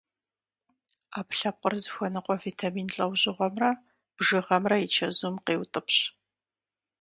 Ӏэпкълъэпкъыр зыхуэныкъуэ витамин лӏэужьыгъуэмрэ бжыгъэмрэ и чэзум къеутӏыпщ.